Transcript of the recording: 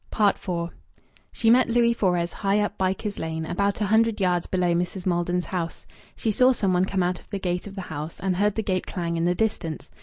IV She met Louis Fores high up Bycars Lane, about a hundred yards below Mrs. Maldon's house. She saw some one come out of the gate of the house, and heard the gate clang in the distance.